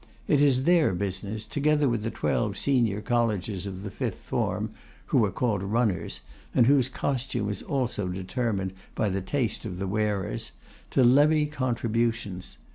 It is their business, together with the twelve senior Collegers of the fifth form, who are called 'Runners,' and whose costume is also determined by the taste of the wearers, to levy the contributions.